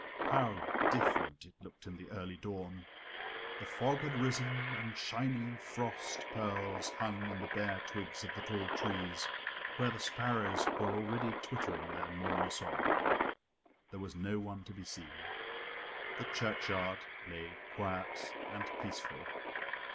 How different it looked in the early dawn! The fog had risen and shining frost pearls hung in the bare twigs of the tall trees where the sparrows were already twittering their morning song. There was no one to be seen. The churchyard lay quiet and peaceful.